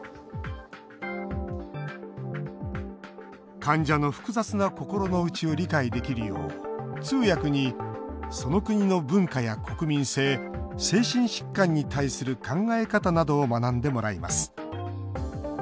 患者の複雑な心の内を理解できるよう通訳に、その国の文化や国民性精神疾患に対する考え方などを学んでもらいます。